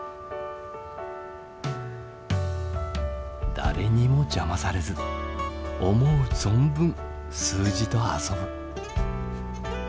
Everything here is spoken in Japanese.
誰にも邪魔されず思う存分数字と遊ぶ。